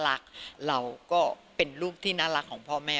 มีความสุขนะคะที่มีลูกที่น่ารักเราก็เป็นลูกที่น่ารักของพ่อแม่